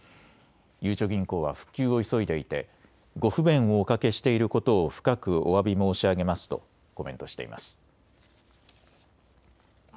ゆうちょ銀行は復旧を急いでいてご不便をおかけしていることを深くおわび申し上げますとコメントしています。